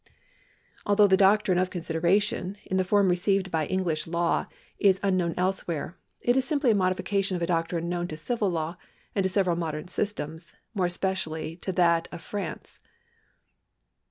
Although the doctrine of consideration, in the form received by Enghsh law, is unlinowii elsewhere, it is simply a modification of a doctrine known to the civil law and to several modern systems, more especially to that of France.